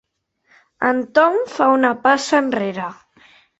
El Tom fa una passa enrere.